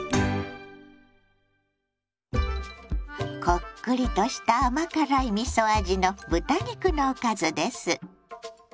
こっくりとした甘辛いみそ味の豚肉のおかずです。